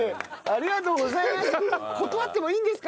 ありがとうございます。